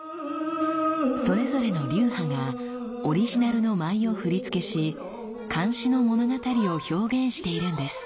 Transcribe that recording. それぞれの流派がオリジナルの舞を振り付けし漢詩の物語を表現しているんです。